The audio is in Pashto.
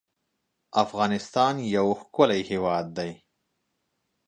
افغانستان يو ښکلی هېواد دی